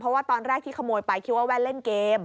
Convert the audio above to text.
เพราะว่าตอนแรกที่ขโมยไปคิดว่าแว่นเล่นเกม